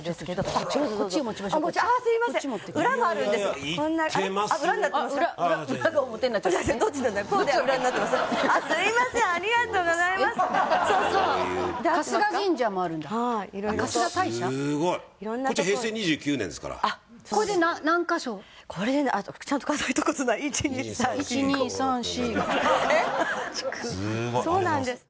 そうなんです。